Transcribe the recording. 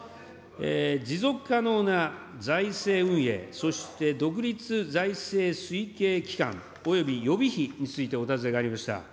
持続可能な財政運営、そして独立財政推計機関および予備費についてお尋ねがありました。